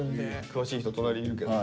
詳しい人隣にいるけど。